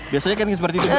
biasanya kan seperti itu